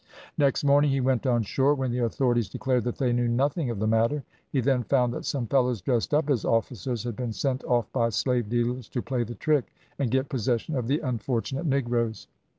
"Next morning he went on shore, when the authorities declared that they knew nothing of the matter. He then found that some fellows, dressed up as officers, had been sent off by slave dealers, to play the trick, and get possession of the unfortunate negroes.